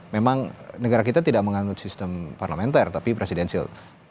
memang negara kita tidak menganggut sistem parlamenter tapi presidensial